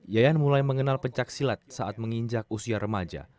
yayan mulai mengenal pencak silat saat menginjak usia remaja